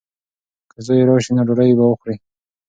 که زوی یې راشي نو ډوډۍ به وخوري.